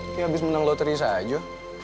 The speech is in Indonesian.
dia habis menang loterisa aja